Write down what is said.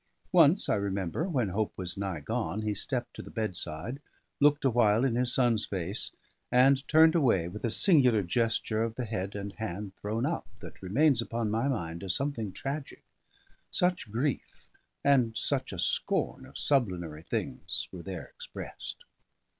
Once, I remember, when hope was nigh gone, he stepped to the bedside, looked a while in his son's face, and turned away with a singular gesture of the head and hand thrown up, that remains upon my mind as something tragic; such grief and such a scorn of sublunary things were there expressed.